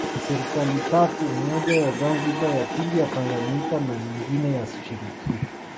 Serikali tatu moja ya Zanzibar ya pili ya Tanganyika na nyingine ya shirikisho